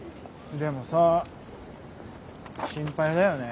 でもさ心配だよね。